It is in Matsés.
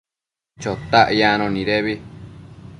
Chotac yacno nidebi